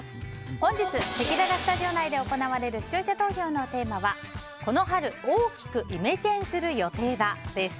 本日せきららスタジオ内で行われる視聴者投票のテーマはこの春大きくイメチェンする予定だです。